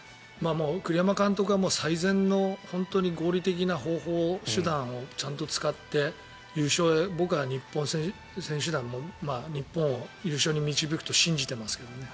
栗山監督は最善の本当に合理的な方法、手段をちゃんと使って優勝へ僕は日本選手団、日本を優勝に導くと信じていますけどね。